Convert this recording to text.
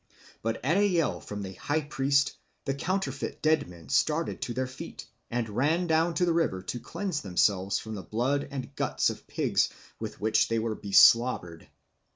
But at a yell from the high priest the counterfeit dead men started to their feet and ran down to the river to cleanse themselves from the blood and guts of pigs with which they were beslobbered.